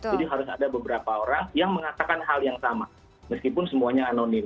jadi harus ada beberapa orang yang mengatakan hal yang sama meskipun semuanya anonim